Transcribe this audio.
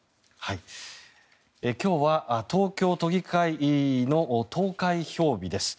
今日は東京都議会の投開票日です。